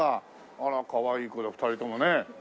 あらかわいい子だ２人ともね。